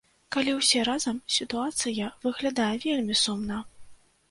Калі ўсе разам, сітуацыя выглядае вельмі сумна.